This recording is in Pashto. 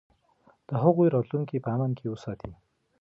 د هغوی راتلونکی په امن کې وساتئ.